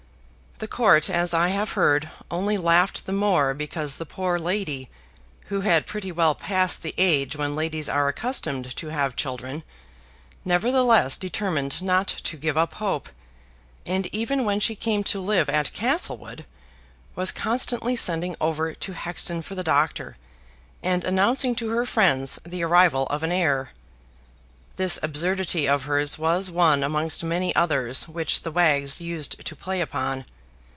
The Court, as I have heard, only laughed the more because the poor lady, who had pretty well passed the age when ladies are accustomed to have children, nevertheless determined not to give hope up, and even when she came to live at Castlewood, was constantly sending over to Hexton for the doctor, and announcing to her friends the arrival of an heir. This absurdity of hers was one amongst many others which the wags used to play upon.